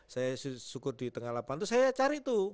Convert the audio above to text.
saya syukur di tengah delapan tuh saya cari tuh